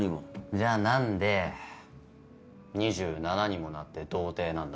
じゃあなんで２７にもなって童貞なんだ？